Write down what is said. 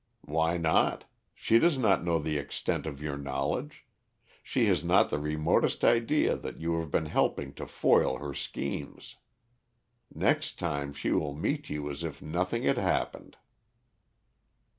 "Why not? She does not know the extent of your knowledge; she has not the remotest idea that you have been helping to foil her schemes. Next time she will meet you as if nothing had happened."